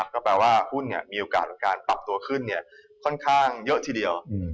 ก็แปลว่าหุ้นมีโอกาสการปรับตัวขึ้นค่อนข้างเยอะทีเดียว